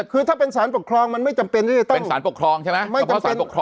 คือถ้าเป็นสารปกครองมันไม่จำเป็นเป็นสารปกครองใช่ไหม